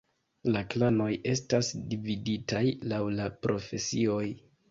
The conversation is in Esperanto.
La klanoj estas dividitaj laŭ la profesioj.